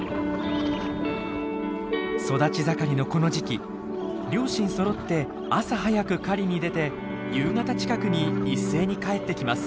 育ち盛りのこの時期両親そろって朝早く狩りに出て夕方近くに一斉に帰ってきます。